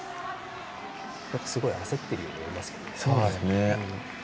すごい焦ってるように見えますけど。